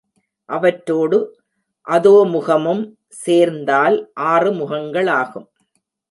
அவற்றோடு அதோமுகமும் சேர்ந்தால் ஆறு முகங்களாகும்.